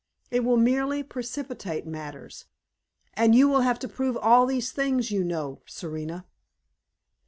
It will merely precipitate matters; and you will have to prove all these things, you know, Serena."